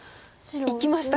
いきましたか？